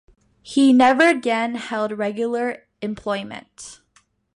He never again held regular employment.